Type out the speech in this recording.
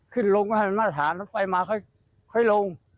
ขึ้นลงก็ให้มันมาตรฐานรถไฟมาค่อยลง